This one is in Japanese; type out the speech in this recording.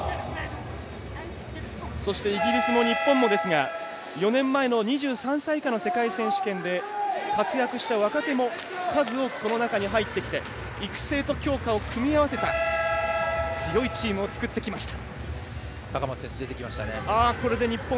そして、イギリスも日本も４年前の２３歳以下の世界選手権で活躍した若手も数多く、この中に入ってきて育成と強化を組み合わせた強いチームを作ってきました。